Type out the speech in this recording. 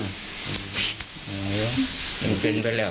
ไม่รู้จริงว่าเกิดอะไรขึ้น